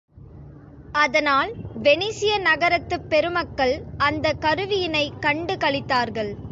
அதனால், வெனிசிய நகரத்துப் பெருமக்கள் அந்தக் கருவியினைக் கண்டுகளித்தார்கள்.